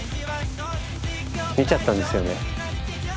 見ちゃったんですよね。